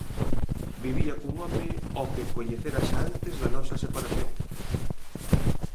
Vivía cun home ó que coñecera xa antes da nosa separación.